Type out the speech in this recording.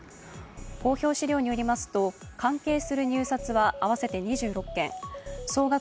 公表資料によりますと関係する入札は合わせて２６件、総額